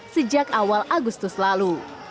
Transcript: sejak awal agustus lalu